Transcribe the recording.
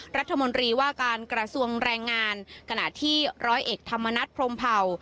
รัฐมนตรีว่าการกระทรวงแรงงานขณะที่ร้อยเอกธรรมนัฐพรมเผ่า